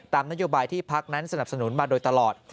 นโยบายที่พักนั้นสนับสนุนมาโดยตลอด